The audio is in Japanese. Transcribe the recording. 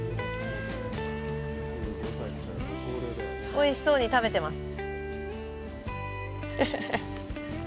おいしそうに食べてます。